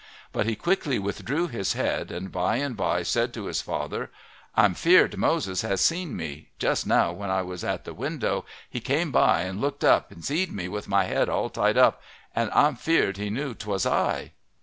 But he quickly withdrew his head and by and by said to his father, "I'm feared Moses has seen me. Just now when I was at the window he came by and looked up and see'd me with my head all tied up, and I'm feared he knew 'twas I."